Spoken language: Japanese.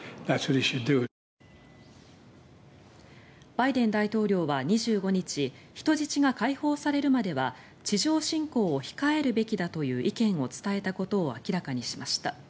バイデン大統領は２５日人質が解放されるまでは地上侵攻を控えるべきだという意見を伝えたことを明らかにしました。